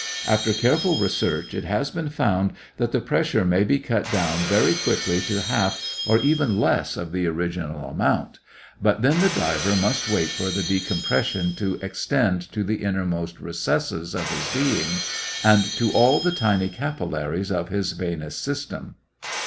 After careful research it has been found that the pressure may be cut down very quickly to half or even less of the original amount, but then the diver must wait for the decompression to extend to the innermost recesses of his being and to all the tiny capillaries of his venous system.